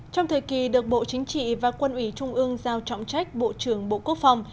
trong thời kỳ được bộ chính trị và quân ủy trung ương giao trọng trách bộ trưởng bộ quốc phòng